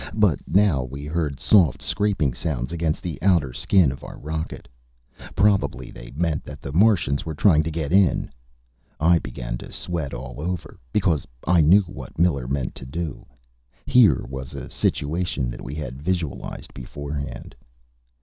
But now we heard soft, scraping sounds against the outer skin of our rocket. Probably they meant that the Martians were trying to get in. I began to sweat all over, because I knew what Miller meant to do. Here was a situation that we had visualized beforehand.